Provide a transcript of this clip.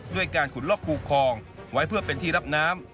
ด้วยการขุดลอกภูคลองไว้เพื่อเป็นที่รับน้ำ